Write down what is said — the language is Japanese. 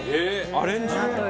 アレンジも？